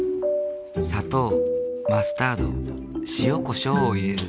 砂糖マスタード塩こしょうを入れる。